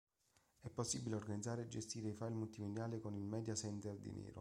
È possibile organizzare e gestire i file multimediali con il media center di Nero.